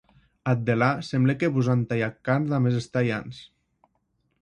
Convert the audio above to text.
Ath delà, semble que vos an talhat carn damb es estalhants.